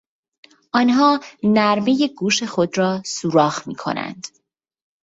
آنها نرمهی گوش خود را سوراخ میکنند.